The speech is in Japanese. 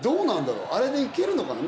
あれでいけるのかな？